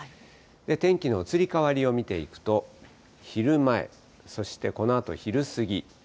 天気の移り変わりを見ていくと、昼前、そしてこのあと昼過ぎ。